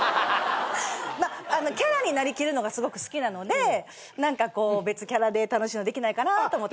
キャラになりきるのがすごく好きなので何かこう別キャラで楽しいのできないかなと思って。